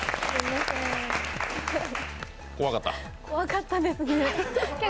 怖かったですね。